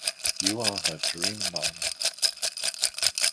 You are her dream man.